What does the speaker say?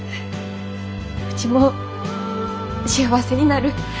うちも幸せになる！